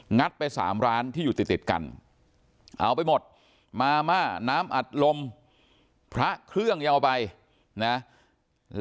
ไป๓ร้านที่อยู่ติดติดกันเอาไปหมดมาม่าน้ำอัดลมพระเครื่องยังเอาไปนะ